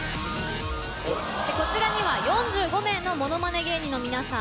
こちらには４５名のものまね芸人の皆さん。